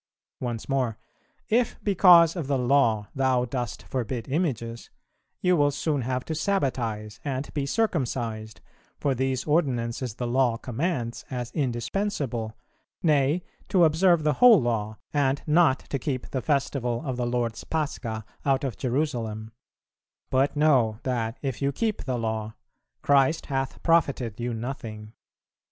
Once more, "If because of the Law thou dost forbid Images, you will soon have to sabbatize and be circumcised, for these ordinances the Law commands as indispensable; nay, to observe the whole law, and not to keep the festival of the Lord's Pascha out of Jerusalem: but know that if you keep the Law, Christ hath profited you nothing.